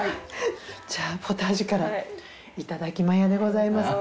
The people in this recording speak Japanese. じゃあポタージュからいただきマヤでございます。